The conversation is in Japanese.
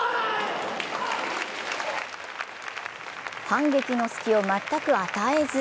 反撃の隙を全く与えず。